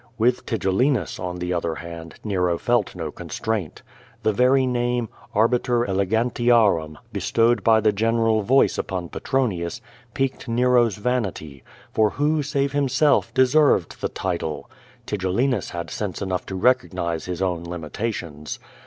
With Tigellinus, on the other hand, Nero felt no constraint. The very name, Arbiter Elegantiarum, bestowed by the general voice upon Petronius, piqued Nero's vanity, for who save him self deserved the title? Tigellinus had sense enough to recog nize his own limitations.